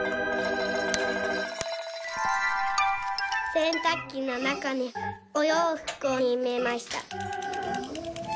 「せんたくきのなかにおようふくをいれました」。